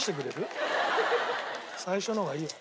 最初の方がいいよ。